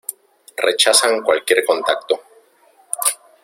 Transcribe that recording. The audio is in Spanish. Rechazan cualquier contacto.